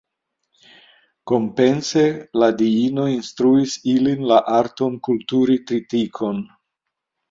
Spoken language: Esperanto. Kompense, la diino instruis ilin la arton kulturi tritikon.